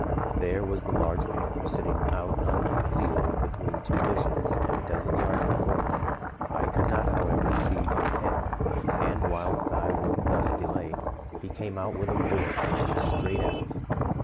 There was the large panther sitting out unconcealed between two bushes a dozen yards before me. I could not, however, see his head; and whilst I was thus delayed, he came out with a roar, straight at me.